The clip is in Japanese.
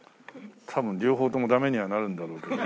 多分両方ともダメにはなるんだろうけど。